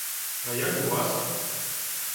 А як у вас?